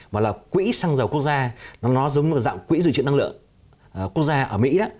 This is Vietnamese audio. mà là quỹ xăng dầu quốc gia nó giống dạng quỹ dự trị năng lượng quốc gia ở mỹ đó